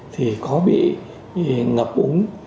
thì có bị ngập úng